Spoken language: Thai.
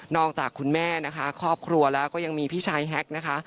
จากคุณแม่นะคะครอบครัวแล้วก็ยังมีพี่ชายแฮกนะคะ